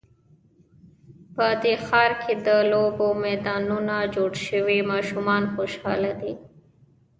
په دې ښار کې د لوبو میدانونه جوړ شوي او ماشومان خوشحاله دي